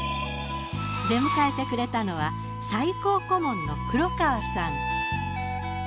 出迎えてくれたのは最高顧問の黒川さん。